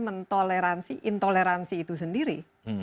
mentoleransi intoleransi itu sendiri